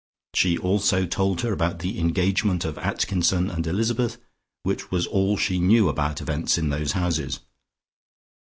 She also told her about the engagement of Atkinson and Elizabeth, which was all she knew about events in those houses.